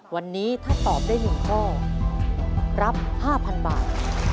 วันนี้ถ้าตอบได้๑ข้อรับ๕๐๐๐บาท